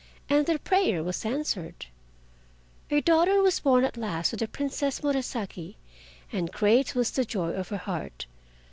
And their prayer was answered. A daughter was born at last to the Princess Murasaki, and great was the joy of her heart.